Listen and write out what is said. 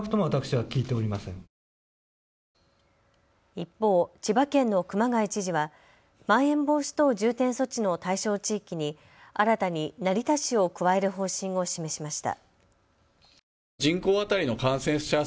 一方、千葉県の熊谷知事はまん延防止等重点措置の対象地域に新たに成田市を加える方針を示しました。